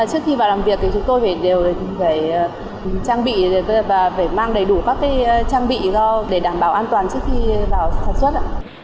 trước khi vào làm việc thì chúng tôi phải đều trang bị và phải mang đầy đủ các trang bị cho để đảm bảo an toàn trước khi vào sản xuất